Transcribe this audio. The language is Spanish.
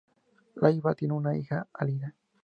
Leyva tiene una hija, Alina.